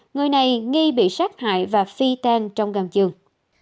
người này nghi bị sát hại và phi tan trong gam giường